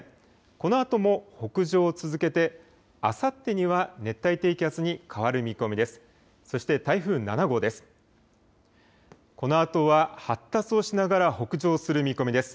このあとも北上を続けてあさってには熱帯低気圧に変わる見込みです。